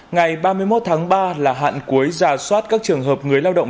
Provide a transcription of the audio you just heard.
ngày ba mươi một tháng ba là hạn cuối giả soát các trường hợp người lao động